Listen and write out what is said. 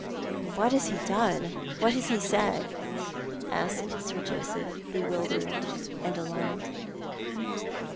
"What has he done— what has he sai^? " asked Sir Joseph, bewildered and alarmed.